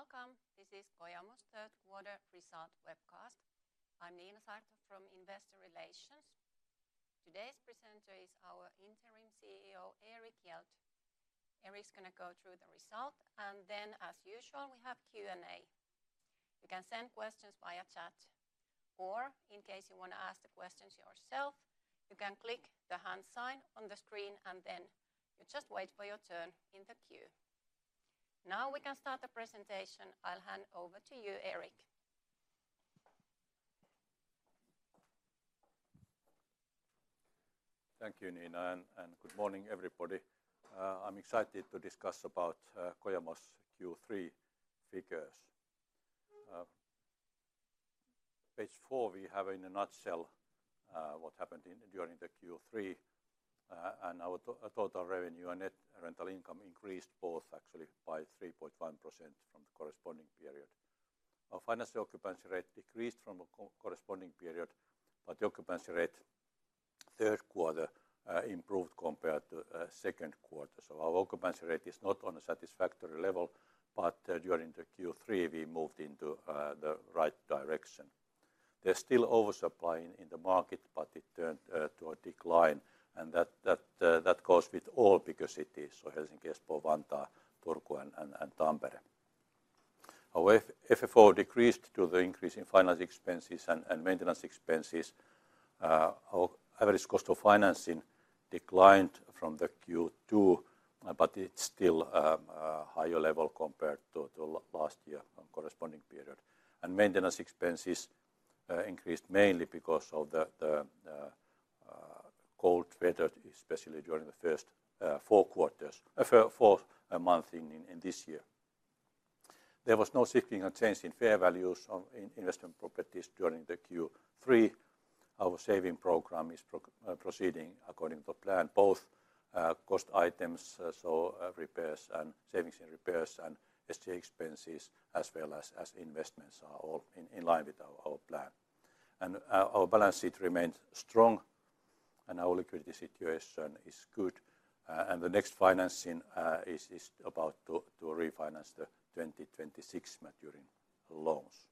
Morning. Welcome. This is Kojamo's third quarter result webcast. I'm Niina Saarto from Investor Relations. Today's presenter is our Interim CEO, Erik Hjelt. Erik's going to go through the result, and then, as usual, we have Q&A. You can send questions via chat, or in case you want to ask the questions yourself, you can click the hand sign on the screen and then just wait for your turn in the queue. Now we can start the presentation. I'll hand over to you, Erik. Thank you, Niina, and good morning, everybody. I'm excited to discuss about Kojamo's Q3 figures. Page four, we have in a nutshell what happened during the Q3, and our total revenue and net rental income increased both, actually, by 3.1% from the corresponding period. Our financial occupancy rate decreased from the corresponding period, but the occupancy rate third quarter improved compared to second quarter. So our occupancy rate is not on a satisfactory level, but during the Q3, we moved into the right direction. There's still oversupply in the market, but it turned to a decline, and that goes with all bigger cities: Helsinki, Espoo, Vantaa, Turku, and Tampere. Our FFO decreased due to the increase in finance expenses and maintenance expenses. Our average cost of financing declined from the Q2, but it's still a higher level compared to last year's corresponding period. And maintenance expenses increased mainly because of the cold weather, especially during the first four months in this year. There was no significant change in fair values of investment properties during the Q3. Our saving program is proceeding according to plan. Both cost items, so repairs and savings in repairs and SG&A expenses, as well as investments, are all in line with our plan. And our balance sheet remains strong, and our liquidity situation is good. And the next financing is about to refinance the 2026 maturing loans.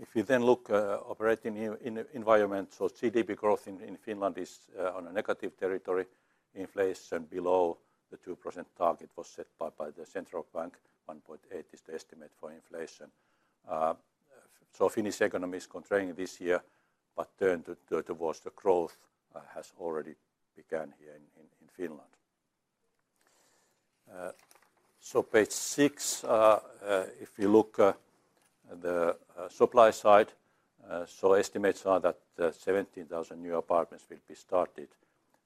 If we then look at the operating environment, so GDP growth in Finland is on a negative territory. Inflation below the 2% target was set by the central bank. 1.8% is the estimate for inflation. So Finnish economy is contracting this year, but turned towards the growth has already begun here in Finland. Page six. If we look at the supply side, estimates are that 17,000 new apartments will be started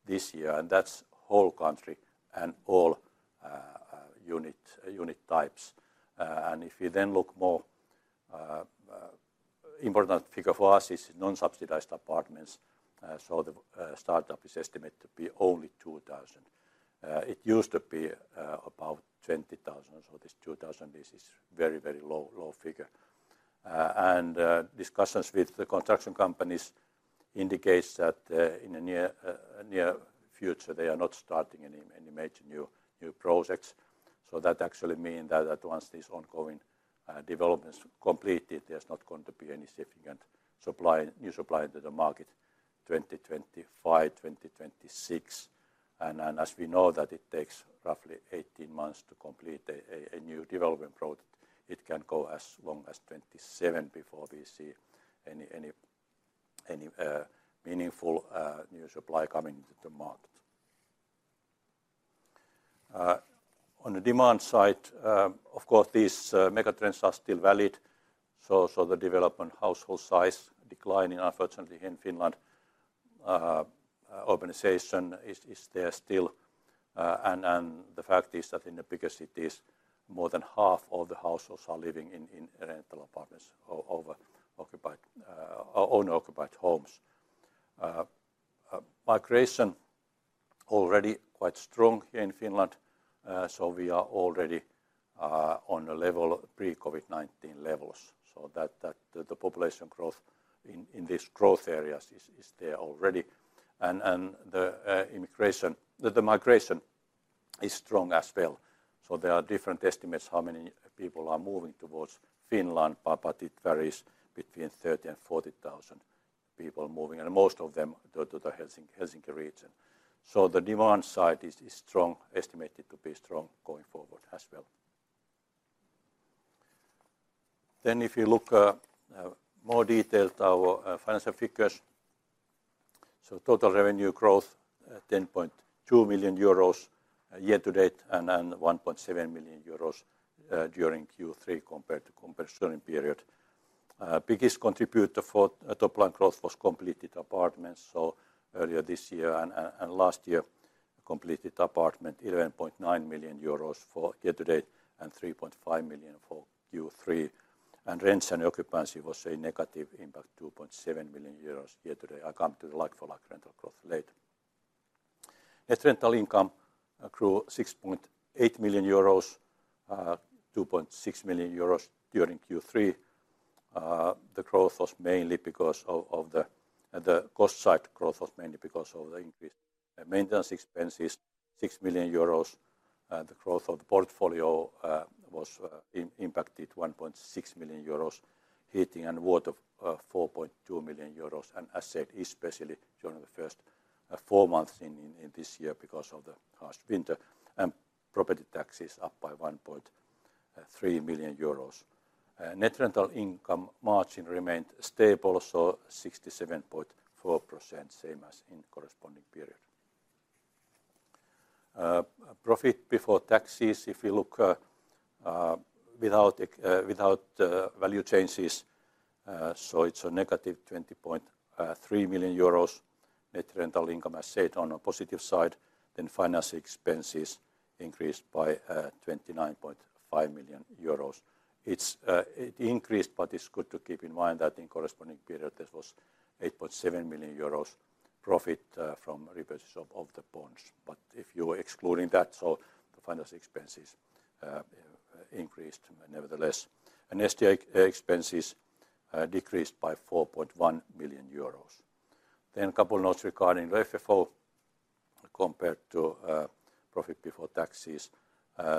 this year, and that's the whole country and all unit types. If we then look at more important figures for us, it's non-subsidized apartments. The startup is estimated to be only 2,000. It used to be about 20,000, so this 2,000. This is a very, very low figure. Discussions with the construction companies indicate that in the near future, they are not starting any major new projects. That actually means that once these ongoing developments are completed, there's not going to be any significant new supply into the market in 2025-2026. As we know, it takes roughly 18 months to complete a new development project. It can go as long as 27 before we see any meaningful new supply coming into the market. On the demand side, of course, these megatrends are still valid, so the development household size declining, unfortunately, in Finland, urbanization is there still, and the fact is that in the bigger cities, more than half of the households are living in rental apartments or owner-occupied homes. Migration is already quite strong here in Finland, so we are already on the level of pre-COVID-19 levels, so the population growth in these growth areas is there already, and the migration is strong as well, so there are different estimates how many people are moving towards Finland, but it varies between 30 and 40,000 people moving, and most of them to the Helsinki region, so the demand side is strong, estimated to be strong going forward as well. Then if you look more detailed at our financial figures, so total revenue growth is 10.2 million euros year to date and 1.7 million euros during Q3 compared to the comparison period. The biggest contributor for top line growth was completed apartments. So earlier this year and last year, completed apartments, 11.9 million euros year to date and 3.5 million for Q3. And rents and occupancy was a negative impact, 2.7 million euros year to date. I'll come to the like-for-like rental growth later. Net rental income grew 6.8 million euros, 2.6 million euros during Q3. The growth was mainly because of the cost side. Growth was mainly because of the increased maintenance expenses, 6 million euros. The growth of the portfolio was impacted, 1.6 million euros. Heating and water were 4.2 million euros and as said, especially during the first four months in this year because of the harsh winter. Property taxes were up by 1.3 million euros. Net rental income margin remained stable, so 67.4%, same as in the corresponding period. Profit before taxes, if you look without value changes, so it's a negative 20.3 million euros. Net rental income, as said, on the positive side. Then finance expenses increased by 29.5 million euros. It increased, but it's good to keep in mind that in the corresponding period, there was 8.7 million euros profit from repossession of the bonds. But if you're excluding that, so the finance expenses increased nevertheless. And SG&A expenses decreased by 4.1 million euros. Then a couple of notes regarding the FFO compared to profit before taxes.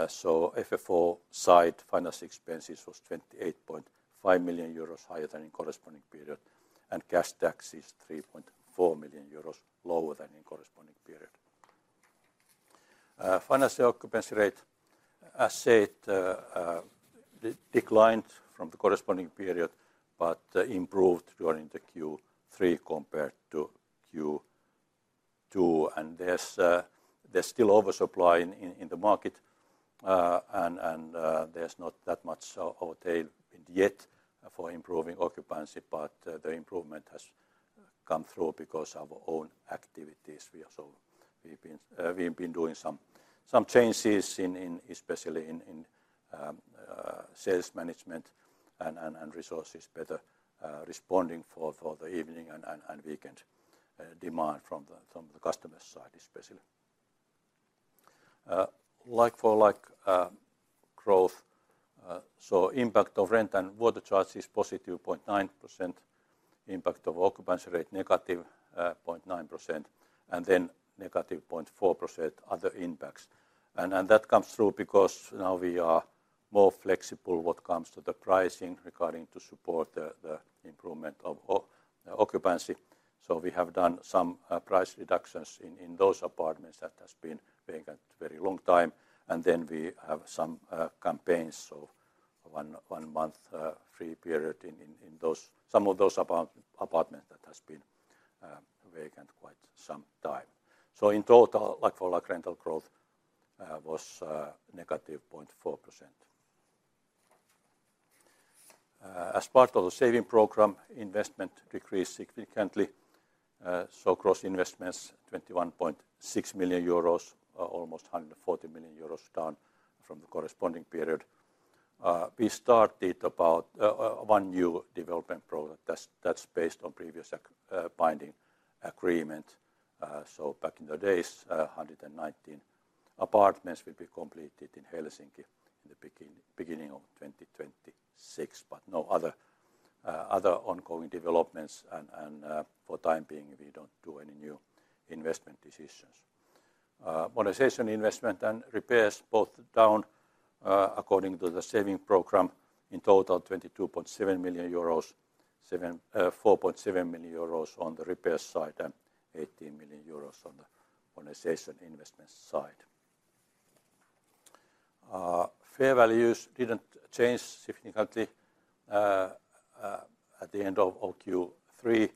So FFO side, finance expenses were 28.5 million euros higher than in the corresponding period. And cash taxes, 3.4 million euros lower than in the corresponding period. Financial occupancy rate, as said, declined from the corresponding period, but improved during the Q3 compared to Q2. And there's still oversupply in the market, and there's not that much tailwind yet for improving occupancy, but the improvement has come through because of our own activities. So we've been doing some changes, especially in sales management and resources, better responding for the evening and weekend demand from the customer side, especially. Like-for-like growth. So impact of rent and water charge is positive, 0.9%. Impact of occupancy rate, negative, 0.9%. And then negative 0.4%, other impacts. And that comes through because now we are more flexible when it comes to the pricing regarding to support the improvement of occupancy. So we have done some price reductions in those apartments that have been vacant for a very long time. And then we have some campaigns, so one-month free period in some of those apartments that have been vacant for quite some time. So in total, like-for-like rental growth was negative 0.4%. As part of the saving program, investment decreased significantly. So gross investments, 21.6 million euros, almost 140 million euros down from the corresponding period. We started about one new development program that's based on a previous binding agreement. So back in the days, 119 apartments will be completed in Helsinki in the beginning of 2026, but no other ongoing developments. And for the time being, we don't do any new investment decisions. Modernization investment and repairs, both down according to the saving program, in total 22.7 million euros, 4.7 million euros on the repair side, and 18 million euros on the modernization investment side. Fair values didn't change significantly at the end of Q3.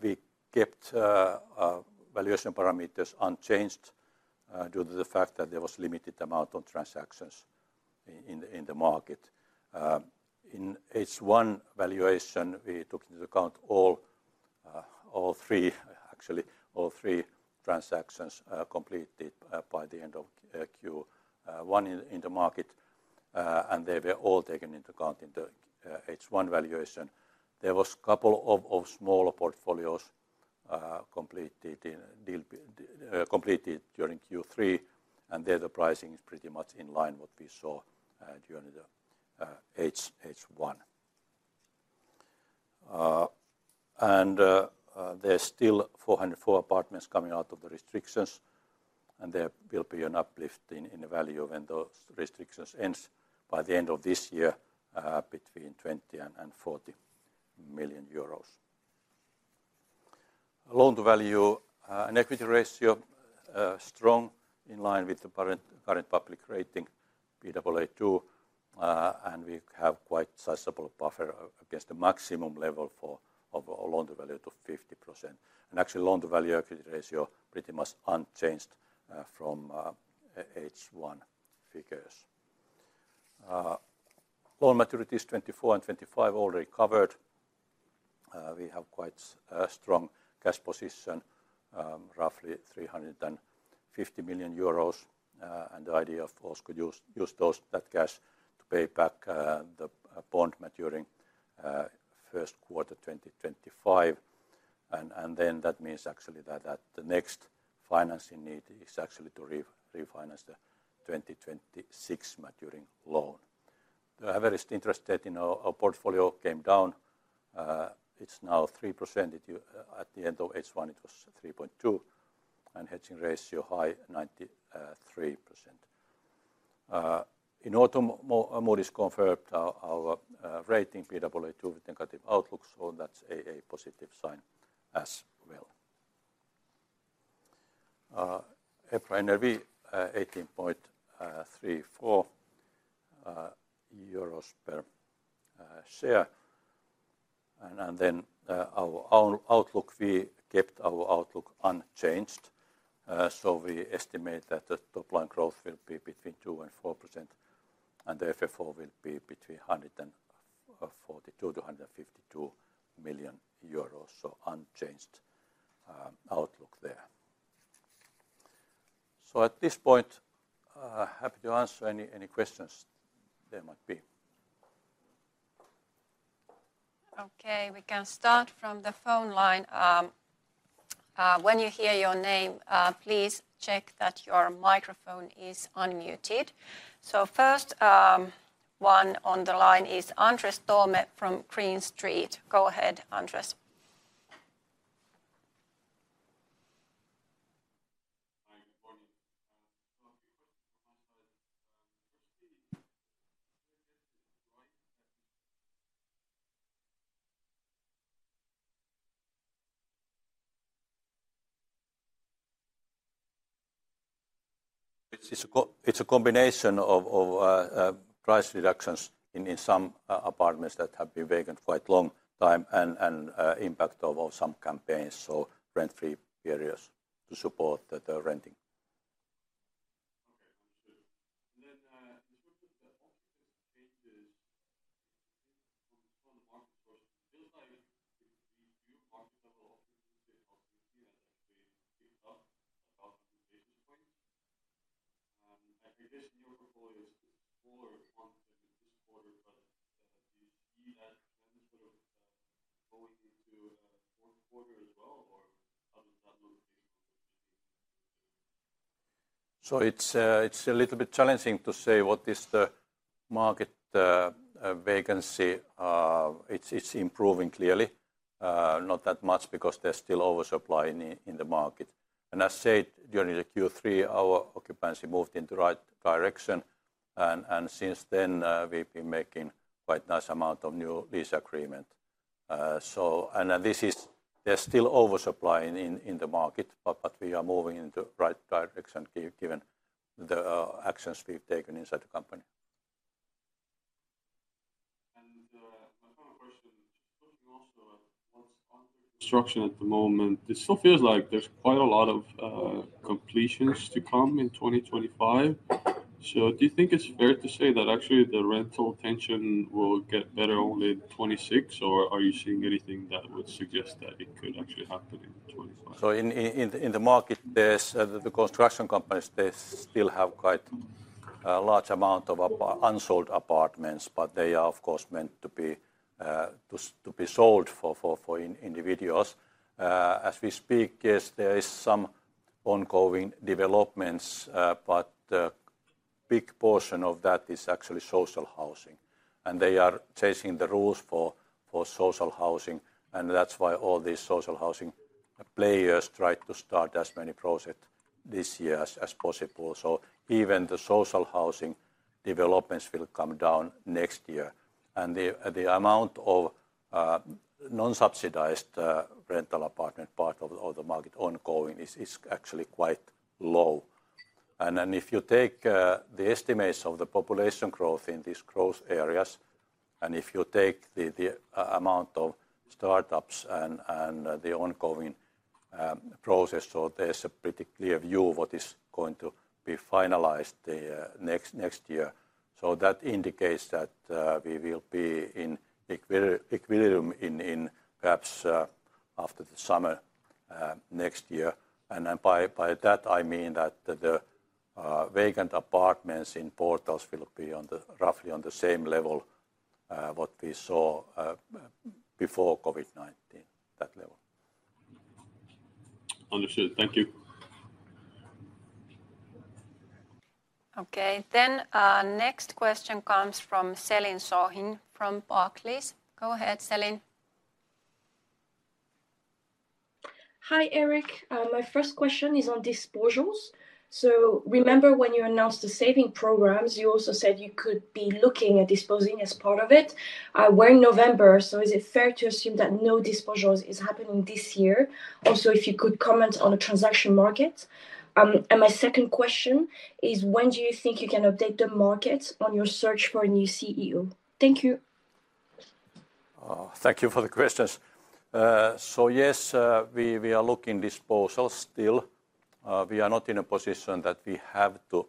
We kept valuation parameters unchanged due to the fact that there was a limited amount of transactions in the market. In H1 valuation, we took into account all three, actually, all three transactions completed by the end of Q1 in the market, and they were all taken into account in the H1 valuation. There were a couple of smaller portfolios completed during Q3, and there the pricing is pretty much in line with what we saw during H1. There's still 404 apartments coming out of the restrictions, and there will be an uplift in the value when those restrictions end by the end of this year between 20 million and 40 million euros. Loan-to-value and equity ratio is strong, in line with the current public rating, Baa2, and we have quite a sizable buffer against the maximum level of loan-to-value to 50%. Actually, loan-to-value equity ratio is pretty much unchanged from H1 figures. Loan maturities 24 and 25 are already covered. We have quite a strong cash position, roughly 350 million euros, and the idea of using that cash to pay back the bond maturing first quarter 2025. Then that means actually that the next financing need is actually to refinance the 2026 maturing loan. The average interest rate in our portfolio came down. It's now 3%. At the end of H1, it was 3.2%, and the hedging ratio is high, 93%. In autumn, Moody's confirmed our rating, Baa2, with negative outlook, so that's a positive sign as well. EPRA NRV, EUR 18.34 per share. Then our outlook, we kept our outlook unchanged. We estimate that the top line growth will be between 2% and 4%, and the FFO will be between 142 million-152 million euros, so unchanged outlook there. At this point, happy to answer any questions there might be. Okay, we can start from the phone line. When you hear your name, please check that your microphone is unmuted. First one on the line is Andres Toome from Green Street. Go ahead, Andres. Hi, good morning. A few questions from my side. It's a combination of price reductions in some apartments that have been vacant for quite a long time and the impact of some campaigns, so rent-free periods to support the renting. Okay, understood. And then this question is about the changes from the market source. It feels like the new market level of the property has actually picked up about a few basis points. I guess in your portfolio, it's a smaller one than this quarter, but do you see that trend sort of going into the fourth quarter as well, or how does that look based on what you're seeing? So it's a little bit challenging to say what is the market vacancy. It's improving clearly, not that much because there's still oversupply in the market. And as said, during the Q3, our occupancy moved in the right direction, and since then, we've been making quite a nice amount of new lease agreements. And there's still oversupply in the market, but we are moving in the right direction given the actions we've taken inside the company. And my final question, just looking also at what's on the construction at the moment, it still feels like there's quite a lot of completions to come in 2025. So do you think it's fair to say that actually the rental tension will get better only in 2026, or are you seeing anything that would suggest that it could actually happen in 2025? So in the market, the construction companies, they still have quite a large amount of unsold apartments, but they are, of course, meant to be sold for individuals. As we speak, yes, there are some ongoing developments, but a big portion of that is actually social housing. And they are chasing the rules for social housing, and that's why all these social housing players try to start as many projects this year as possible. So even the social housing developments will come down next year. And the amount of non-subsidized rental apartment part of the market ongoing is actually quite low. If you take the estimates of the population growth in these growth areas, and if you take the amount of startups and the ongoing process, so there's a pretty clear view of what is going to be finalized next year. So that indicates that we will be in equilibrium perhaps after the summer next year. And by that, I mean that the vacant apartments in portfolios will be roughly on the same level as what we saw before COVID-19, that level. Understood. Thank you. Okay, then the next question comes from Céline Soo-Huynh from Barclays. Go ahead, Céline. Hi, Erik. My first question is on disposals. So remember when you announced the saving programs, you also said you could be looking at disposing as part of it. We're in November, so is it fair to assume that no disposals are happening this year? Also, if you could comment on the transaction market. And my second question is, when do you think you can update the market on your search for a new CEO? Thank you. Thank you for the questions. So yes, we are looking at disposals still. We are not in a position that we have to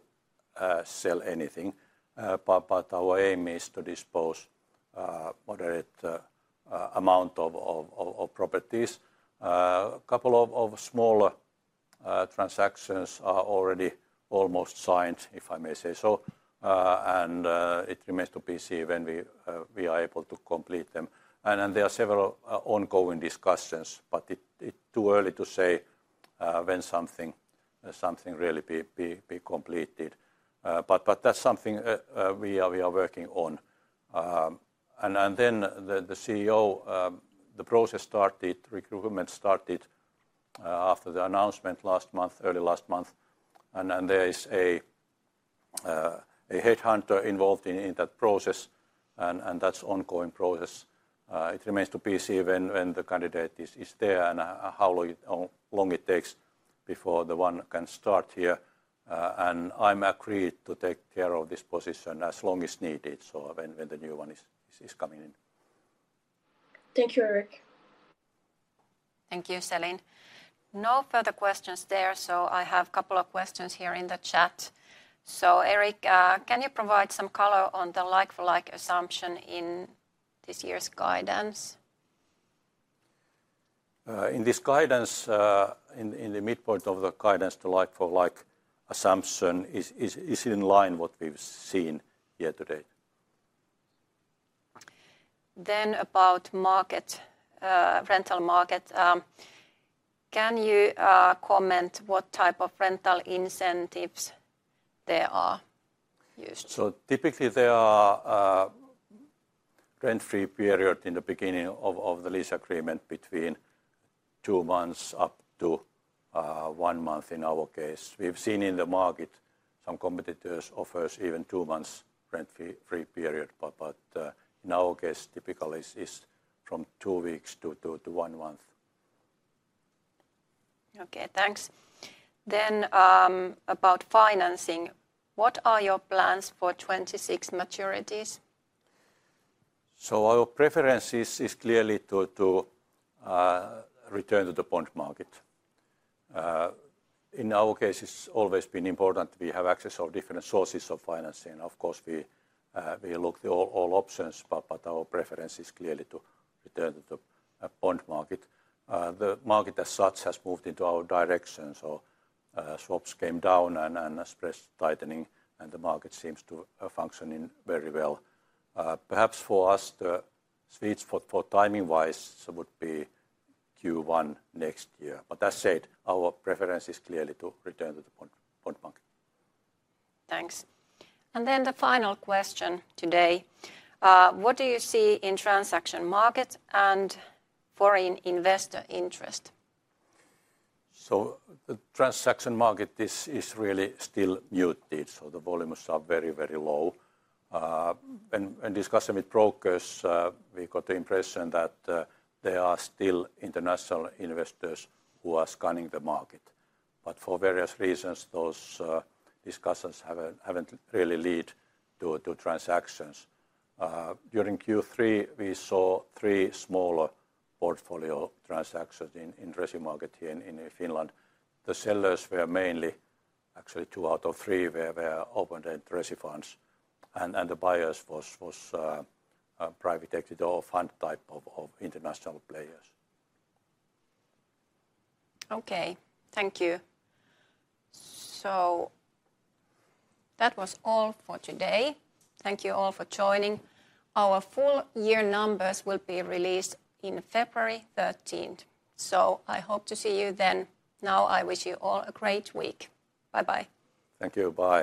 sell anything, but our aim is to dispose of a moderate amount of properties. A couple of smaller transactions are already almost signed, if I may say so, and it remains to be seen when we are able to complete them. And there are several ongoing discussions, but it's too early to say when something really will be completed. But that's something we are working on. And then the CEO, the process started, recruitment started after the announcement last month, early last month. And there is a headhunter involved in that process, and that's an ongoing process. It remains to be seen when the candidate is there and how long it takes before the one can start here. And I'm agreed to take care of this position as long as needed when the new one is coming in. Thank you, Erik. Thank you, Céline. No further questions there, so I have a couple of questions here in the chat. So Erik, can you provide some color on the like-for-like assumption in this year's guidance? In this guidance, in the midpoint of the guidance, the like-for-like assumption is in line with what we've seen here today. Then about market, rental market, can you comment on what type of rental incentives there are used? So typically, there are rent-free periods in the beginning of the lease agreement between two months up to one month in our case. We've seen in the market some competitors offer even a two-month rent-free period, but in our case, typically it's from two weeks to one month. Okay, thanks. Then about financing, what are your plans for 2026 maturities? So our preference is clearly to return to the bond market. In our case, it's always been important that we have access to different sources of financing. Of course, we looked at all options, but our preference is clearly to return to the bond market. The market as such has moved in our direction, so swaps came down and spreads tightening, and the market seems to function very well. Perhaps for us, the sweet spot for timing-wise would be Q1 next year. But as said, our preference is clearly to return to the bond market. Thanks. And then the final question today. What do you see in the transaction market and foreign investor interest? So the transaction market is really still muted, so the volumes are very, very low. When discussing with brokers, we got the impression that there are still international investors who are scanning the market. But for various reasons, those discussions haven't really led to transactions. During Q3, we saw three smaller portfolio transactions in the rental market here in Finland. The sellers were mainly, actually two out of three were open-ended rental funds, and the buyers were private equity or fund type of international players. Okay, thank you. So that was all for today. Thank you all for joining. Our full year numbers will be released on February 13th, so I hope to see you then. Now I wish you all a great week. Bye-bye. Thank you. Bye.